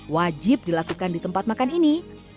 wajib dilakukan di tempat makan ini